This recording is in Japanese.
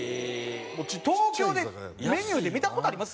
東京でメニューで見た事あります？